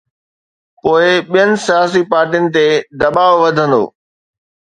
پوءِ ٻين سياسي پارٽين تي دٻاءُ وڌندو.